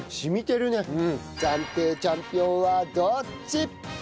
暫定チャンピオンはどっち？